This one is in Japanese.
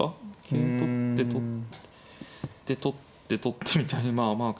金取って取って取って取ってみたいにまあまあ。